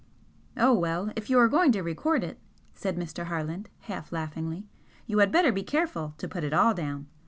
"Oh, well, if you are going to record it," said Mr. Harland, half laughingly "you had better be careful to put it all down.